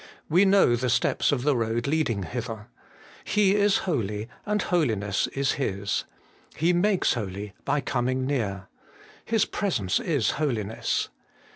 We know the steps of the road leading hither. He is holy, and holiness is His. He makes holy by coming near. His presence is holiness.